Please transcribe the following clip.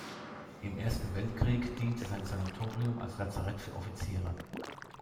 Im Ersten Weltkrieg diente sein Sanatorium als Lazarett für Offiziere.